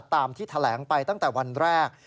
ตามที่แถลงไปตั้งแต่วันแรก